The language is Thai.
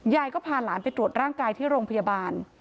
ยายก็พาหลานไปตรวจร่างกายที่โรงพยาบาล